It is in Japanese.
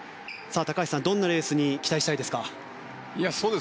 高橋さん、どんなレースに期待したいですか？